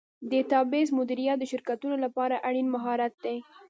ډیټابیس مدیریت د شرکتونو لپاره اړین مهارت دی.